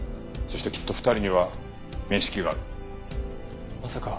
そしてきっと２人には面識がある。